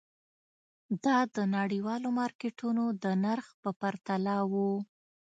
دا د نړیوالو مارکېټونو د نرخ په پرتله وو.